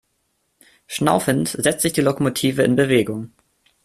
Schnaufend setzt sich die Lokomotive in Bewegung.